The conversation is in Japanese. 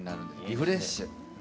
リフレッシュ。